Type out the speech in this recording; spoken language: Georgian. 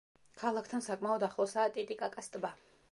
ქალაქთან საკმაოდ ახლოსაა ტიტიკაკას ტბა.